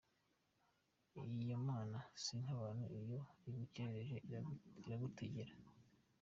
Iyo Mana si nk’abantu iyo igukerereje iragutegera.